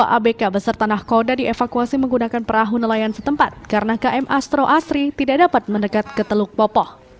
dua puluh abk beserta nahkoda dievakuasi menggunakan perahu nelayan setempat karena km astro asri tidak dapat mendekat ke teluk popoh